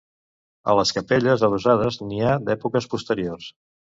A les capelles adossades n'hi ha d'èpoques posteriors.